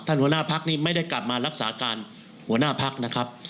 ท่านหัวหน้าภักดิ์นี่ไม่ได้กลับมารักษาการหัวหน้าภักดิ์นะครับ